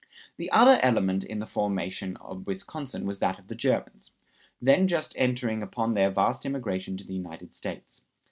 The other element in the formation of Wisconsin was that of the Germans, then just entering upon their vast immigration to the United States.